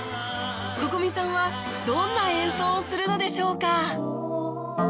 Ｃｏｃｏｍｉ さんはどんな演奏をするのでしょうか？